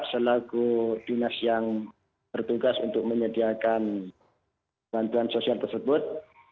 selaku dinas yang bertugas untuk menyediakan bantuan sosial tersebut